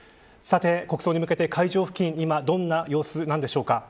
国葬に向けて会場付近はどんな様子なんでしょうか。